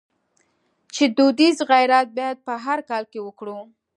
چې دودیز غیرت باید په هر حال کې وکړو.